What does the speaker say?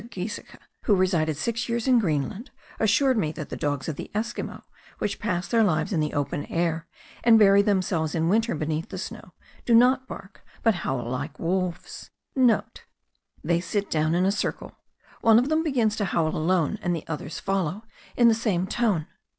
Giesecke, who resided six years in Greenland, assured me that the dogs of the Esquimaux, which pass their lives in the open air and bury themselves in winter beneath the snow, do not bark, but howl like wolves.* (* They sit down in a circle, one of them begins to howl alone and the others follow in the same tone.